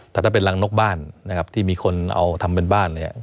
แต่ถ้าเป็นรังนกบ้านนะครับที่มีคนเอาทำเป็นบ้านเนี่ย